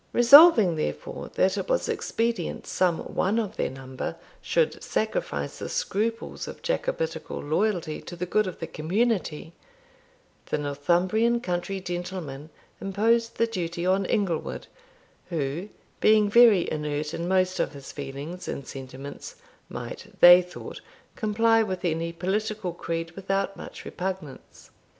Resolving, therefore, that it was expedient some one of their number should sacrifice the scruples of Jacobitical loyalty to the good of the community, the Northumbrian country gentlemen imposed the duty on Inglewood, who, being very inert in most of his feelings and sentiments, might, they thought, comply with any political creed without much repugnance.